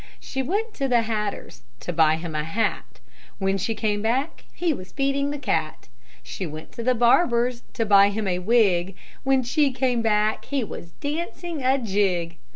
She went to the hatter's To buy him a hat; When she came back He was feeding the cat. She went to the barber's To buy him a wig; When she came back He was dancing a jig.